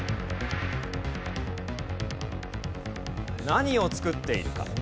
何を作っているか。